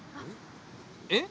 えっ？